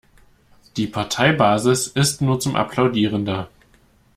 Die Parteibasis ist nur zum Applaudieren da.